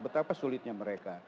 betapa sulitnya mereka